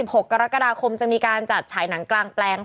เป็นการกระตุ้นการไหลเวียนของเลือด